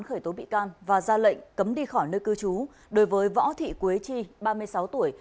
khởi tố bị can và ra lệnh cấm đi khỏi nơi cư trú đối với võ thị quế chi ba mươi sáu tuổi